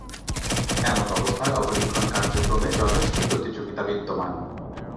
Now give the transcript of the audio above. এমতাবস্থায় অবলিখন কার্যক্রমে যথেষ্ট প্রতিযোগিতা বিদ্যমান।